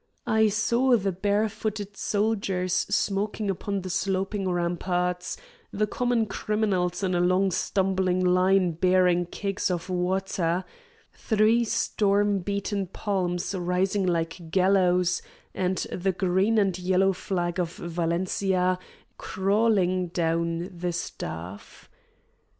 I saw the barefooted soldiers smoking upon the sloping ramparts, the common criminals in a long stumbling line bearing kegs of water, three storm beaten palms rising like gallows, and the green and yellow flag of Valencia crawling down the staff.